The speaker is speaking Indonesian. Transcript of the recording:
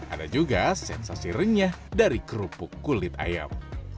ada juga sensasi renyah dari kerupuk kulit ayam